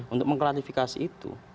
untuk mengklarifikasi itu